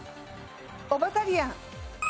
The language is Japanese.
オバタリアン。